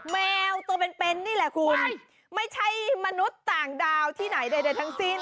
แมวตัวเป็นนี่แหละคุณไม่ใช่มนุษย์ต่างดาวที่ไหนใดทั้งสิ้น